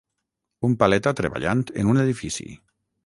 Un paleta treballant en un edifici.